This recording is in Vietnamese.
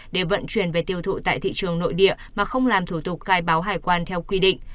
để vận chuyển về tiêu thụ tại thị trường nội địa mà không làm thủ tục khai báo hải quan theo quy định